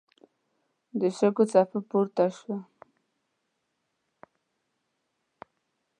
د شګو څپه پورته شوه.